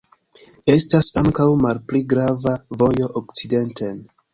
Estas ankaŭ malpli grava vojo okcidenten.